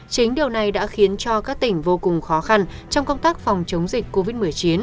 chính điều này đã khiến cho các tỉnh vô cùng khó khăn trong công tác phòng chống dịch covid một mươi chín